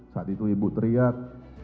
saat itu ibu teriak